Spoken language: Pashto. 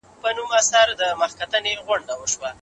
د اقتصاد پوهانو نظرونه باید واورئ.